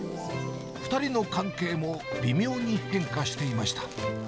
２人の関係も微妙に変化していました。